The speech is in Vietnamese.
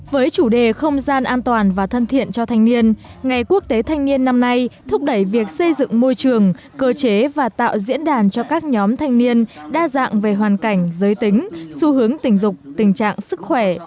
với chủ đề không gian an toàn và thân thiện cho thanh niên ngày quốc tế thanh niên năm nay thúc đẩy việc xây dựng môi trường cơ chế và tạo diễn đàn cho các nhóm thanh niên đa dạng về hoàn cảnh giới tính xu hướng tình dục tình trạng sức khỏe